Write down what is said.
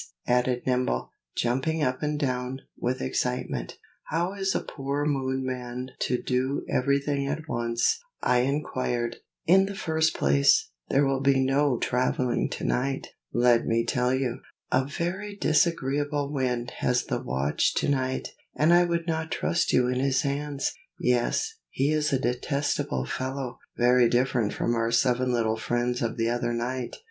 added Nibble, jumping up and down, with excitement. "How is a poor Moonman to do everything at once?" I inquired. "In the first place, there will be no traveling to night, let me tell you. A very disagreeable Wind has the watch to night, and I would not trust you in his hands. Yes, he is a detestable fellow, very different from our seven little friends of the other night.